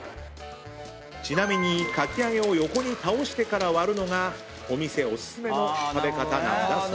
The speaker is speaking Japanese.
ちなみにかき揚げを横に倒してから割るのがお店お薦めの食べ方なんだそう。